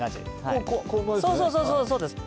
こうこうそうそうそうです